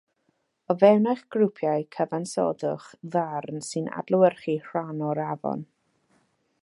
O fewn eich grwpiau cyfansoddwch ddarn sy'n adlewyrchu rhan o'r afon